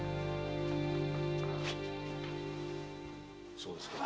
そうですか。